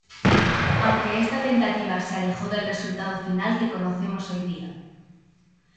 Aunque esta tentativa se alejó del resultado final que conocemos hoy día.